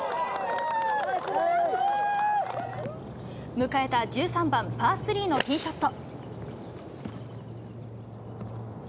迎えた１３番パースリーのティーショット。